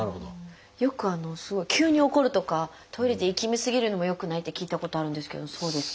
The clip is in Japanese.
よくすごい急に怒るとかトイレでいきみ過ぎるのもよくないって聞いたことあるんですけどそうですか？